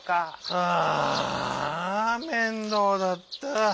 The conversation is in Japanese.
ああ面倒だった。